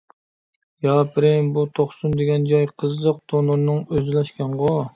يا پىرىم، بۇ توقسۇن دېگەن جاي قىزىق تونۇرنىڭ ئۆزىلا ئىكەنغۇ.